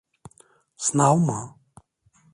Sınav mı?